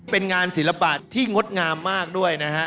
เป็นงานศิลปะที่งดงามมากด้วยนะฮะ